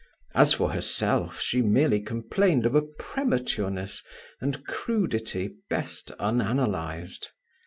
As for herself, she merely complained of a prematureness and crudity best unanalyzed.